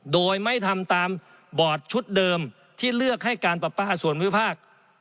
โดยไม่ทำตามบอร์ดชุดเดิมที่เลือกให้การปรับปลาส่วนวิพากษ์